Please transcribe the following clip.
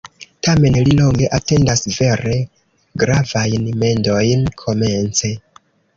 Tamen li longe atendas vere gravajn mendojn komence.